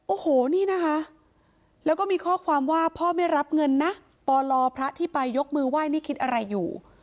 โอ้โหนี่นะคะแล้วก็มีข้อความว่าพ่อไม่รับเงินนะปลพระที่ไปยกมือไหว้นี่คิดอะไรอยู่